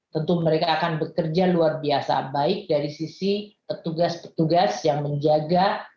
tentu mereka akan bekerja luar biasa baik dari sisi petugas petugas yang menjaga